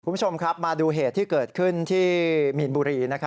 คุณผู้ชมครับมาดูเหตุที่เกิดขึ้นที่มีนบุรี